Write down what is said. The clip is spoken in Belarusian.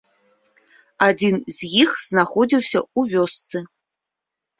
Адзін з іх знаходзіўся ў вёсцы.